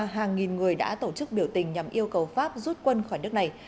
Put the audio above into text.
hàng nghìn người đã tổ chức biểu tình nhằm yêu cầu pháp rút quân khỏi nước này